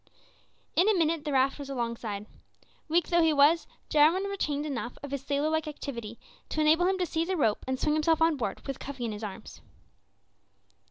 In a minute the raft was alongside. Weak though he was, Jarwin retained enough of his sailor like activity to enable him to seize a rope and swing himself on board with Cuffy in his arms.